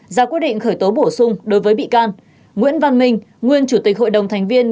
ra quyết định khởi tố bổ sung đối với bị can nguyễn văn minh nguyên chủ tịch hội đồng thành viên